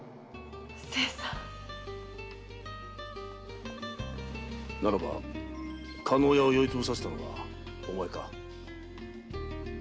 〔清さん〕ならば加納屋を酔いつぶさせたのはお前か？